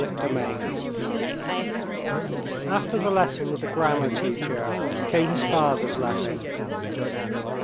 Chapter 27 After the lesson with the grammar teacher came his father's lesson.